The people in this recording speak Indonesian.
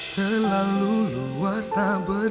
sekarang juga sekarang juga